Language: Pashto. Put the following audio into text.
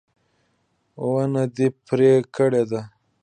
ونه دې پرې کړې ده